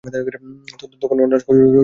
তখন honours course ছিল দুই বছর ব্যাপী।